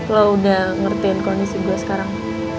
lo udah ngertiin kondisi gua sekarang